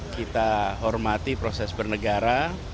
kita hormati proses bernegara